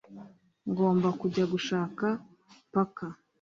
ngomba kujya gushaka paka